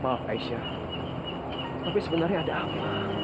maaf aisyah tapi sebenarnya ada apa